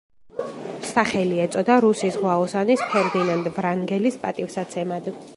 სახელი ეწოდა რუსი ზღვაოსანის ფერდინანდ ვრანგელის პატივსაცემად.